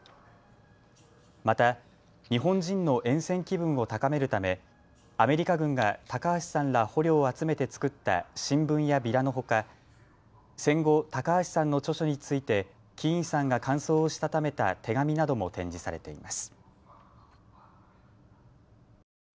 また日本人のえん戦気分を高めるためアメリカ軍が高橋さんら捕虜を集めて作った新聞やビラのほか戦後、高橋さんの著書についてキーンさんが感想をしたためた手紙なども展示されています。